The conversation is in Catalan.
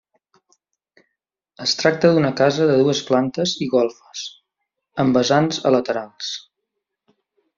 Es tracta d’una casa de dues plantes i golfes, amb vessants a laterals.